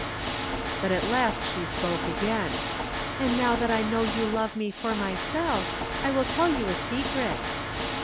But at last she spoke again. "And now that I know you love me for myself, I will tell you a secret."